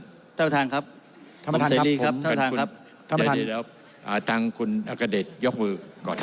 หม่อเซลลีครับครับท่านอาคาราเดชยอบมือก่อน